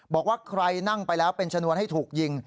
บอกว่าใครนั่งไปแล้วเป็นชนวนให้ถูกยิง